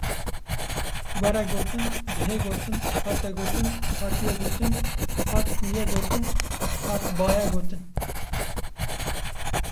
were gotin, dihê gotin, hate gotin, hatiye gotin, hat bûye gotin, hatbaye gotin